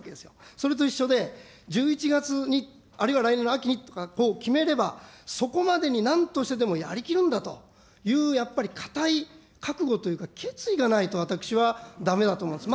それと一緒で、１１月に、あるいは来年の秋にと、こう決めれば、そこまでになんとしてでもやりきるんだという、やっぱり固い覚悟というか、決意がないと、私はだめだと思うんです。